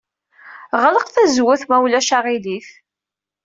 Ɣleq tazewwut ma ulac aɣilif.